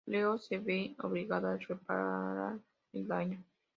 Leo se ve obligado a reparar el daño.